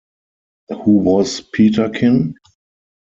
'Who was Peterkin?